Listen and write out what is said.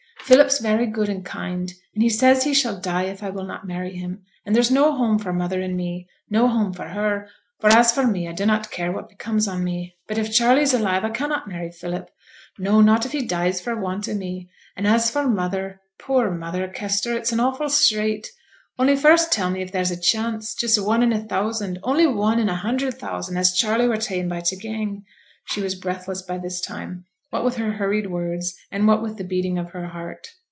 Philip's very good, and kind, and he says he shall die if I will not marry him, and there's no home for mother and me, no home for her, for as for me I dunnot care what becomes on me; but if Charley's alive I cannot marry Philip no, not if he dies for want o' me and as for mother, poor mother, Kester, it's an awful strait; only first tell me if there's a chance, just one in a thousand, only one in a hundred thousand, as Charley were ta'en by t' gang?' She was breathless by this time, what with her hurried words, and what with the beating of her heart.